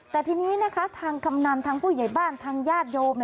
แต่ทีนี้นะคะทางกำนันทางผู้ใหญ่บ้านทางญาติโยม